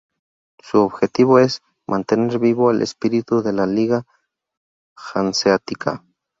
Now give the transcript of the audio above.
Su objetivo es "mantener vivo el espíritu de la Liga Hanseática".